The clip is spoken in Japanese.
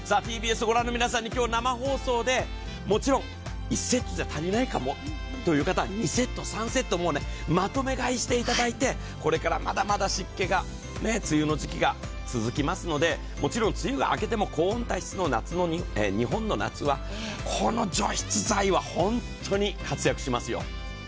ＴＢＳを御覧の皆さんに今日、生放送で、もちろん１セットじゃ足りないかもという方は２セット、３セットもうまとめ買いしていただいてこれからまだまだ湿気が梅雨の時期が続きますので、もちろん梅雨が明けても、高温多湿の日本の夏は、この除湿剤はホントに活躍しますよ。